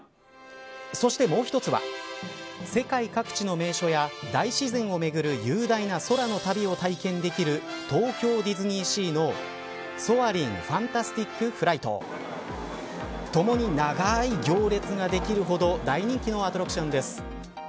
そしてもう一つは世界各地の名所や大自然を巡る雄大な空の旅を体験できる東京ディズニーシーのソアリンファンタスティック・フライトともに、長い行列ができるほど大人気のアトラクションです。